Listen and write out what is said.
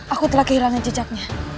aku telah kehilangan jejaknya